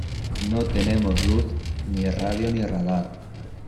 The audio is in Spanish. no tenemos luz, ni radio ni radar